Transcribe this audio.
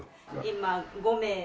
今５名。